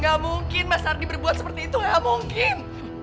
gak mungkin mas ardi berbuat seperti itu gak mungkin